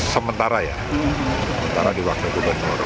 sementara ya sementara diwakil gubernur